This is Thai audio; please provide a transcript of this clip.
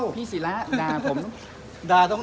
พี่ไสระด่าผม